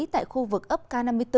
tại khu vực ấp k năm mươi bốn